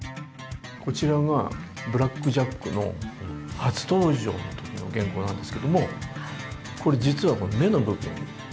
こちらがブラック・ジャックの初登場の時の原稿なんですけども実はこれ、この目の部分。